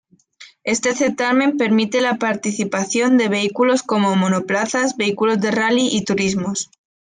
Este certamen permite la participación de vehículos como: Monoplazas, vehículos de rally y turismos.